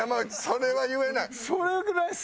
それは言えない。